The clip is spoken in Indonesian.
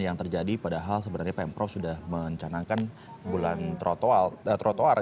yang terjadi padahal sebenarnya pemprov sudah mencanangkan bulan trotoar